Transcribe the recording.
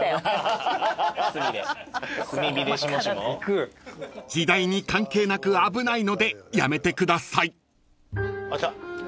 炭火で「しもしも」？［時代に関係なく危ないのでやめてください］来た。